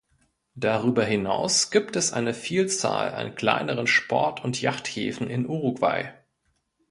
Darüber hinaus gibt es eine Vielzahl an kleineren Sport- und Yachthäfen in Uruguay.